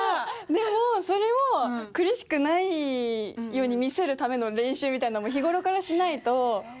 でもそれを苦しくないように見せるための練習みたいなのも日頃からしないと本番膨らんじゃうから。